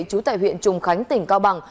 chú tại huyện trùng khánh tỉnh cao bằng